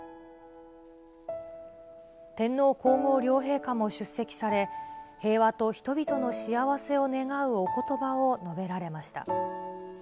天皇皇后両陛下も出席され、平和と人々の幸せを願うおことばを述べられました。